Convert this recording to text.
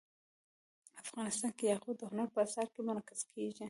افغانستان کې یاقوت د هنر په اثار کې منعکس کېږي.